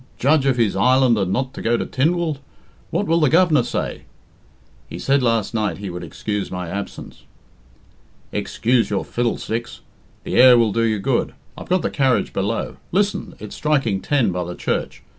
Judge of his island and not go to Tynwald! What will the Governor say?" "He said last night he would excuse my absence." "Excuse your fiddlesticks! The air will do you good. I've got the carriage below. Listen! it's striking ten by the church.